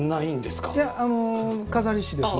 いや錺師ですね。